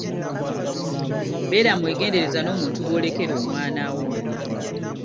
Beera mwegendereza n'omuntu gw'olekera omwana wo.